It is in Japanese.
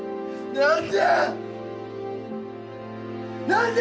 何で！